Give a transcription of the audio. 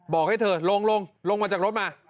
บอกให้เธอลงลงมาจากรถมา